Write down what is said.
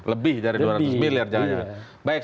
lebih dari dua ratus miliar